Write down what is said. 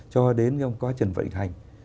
cho đến trong quá trình vận hành